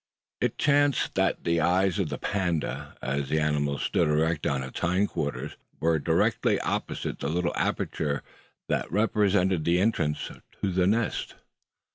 It chanced that the eyes of the panda, as the animal stood erect on its hind quarters, were directly opposite the little aperture that represented the entrance to the nest.